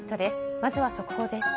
まずは速報です。